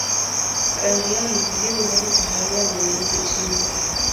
Rangi yao ni kijivu hadi kahawia na nyeupe chini.